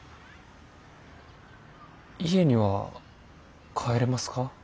家には帰れますか？